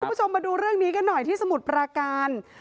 คุณผู้ชมมาดูเรื่องนี้กันหน่อยที่สมุทรปราการ